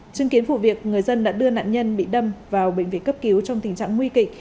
chứng kiến vụ việc người dân đã đưa nạn nhân bị đâm vào bệnh viện cấp cứu trong tình trạng nguy kịch